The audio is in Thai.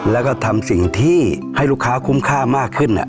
แล้วก็ทำสิ่งที่ให้ลูกค้าคุ้มค่ามากขึ้น